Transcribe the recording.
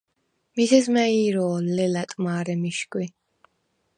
მიზეზ მა̈ჲ ირო̄ლ, ლელა̈ტ მა̄რე მიშგვი!